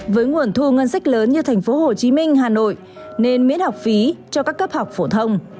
với nguồn thu ngân sách lớn như thành phố hồ chí minh hà nội nên miễn học phí cho các cấp học phổ thông